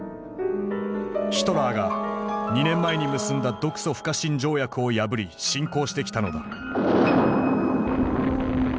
ヒトラーが２年前に結んだ独ソ不可侵条約を破り侵攻してきたのだ。